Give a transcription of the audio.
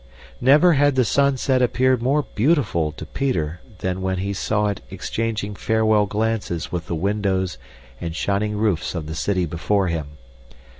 Never had the sunset appeared more beautiful to Peter than when he saw it exchanging farewell glances with the windows and shining roofs of the city before him.